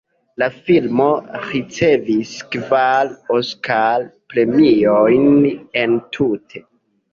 La filmo ricevis kvar Oskar-premiojn entute.